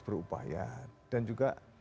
berupaya dan juga